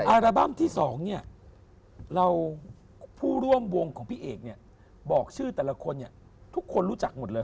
อัลบั้มที่๒เนี่ยเราผู้ร่วมวงของพี่เอกเนี่ยบอกชื่อแต่ละคนเนี่ยทุกคนรู้จักหมดเลย